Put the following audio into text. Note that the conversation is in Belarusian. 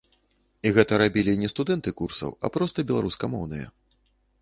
І гэта рабілі не студэнты курсаў, а проста беларускамоўныя.